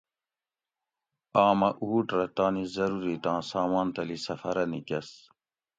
آمہ اُوٹ رہ تانی ضرورِتاں سامان تلی سفرہ نِکۤس